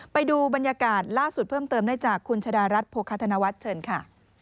ไปดูบรรยากาศล่าสุดเพิ่มเติมได้จากคุณชะดารัฐโภคธนวัฒน์เชิญค่ะ